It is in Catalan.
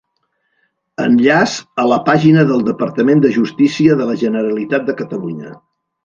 Enllaç a la pàgina del Departament de Justícia de la Generalitat de Catalunya.